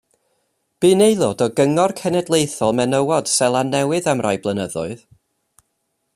Bu'n aelod o Gyngor Cenedlaethol Menywod Seland Newydd am rai blynyddoedd.